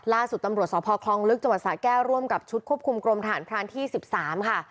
ล่าสุดตำรวจสพคลองลึกจังหวัดสาแก้วร่วมกับชุดควบคุมกรมฐานพรานที่๑๓ค่ะ